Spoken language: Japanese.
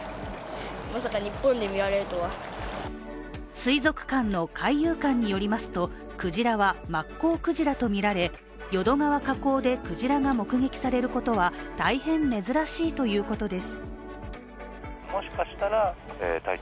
水族館の海遊館によりますと、クジラはマッコウクジラとみられ淀川河口でクジラが目撃されることは大変珍しいということです。